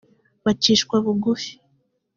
bacishwa bugufi